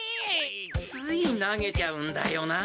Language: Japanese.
つい投げちゃうんだよな。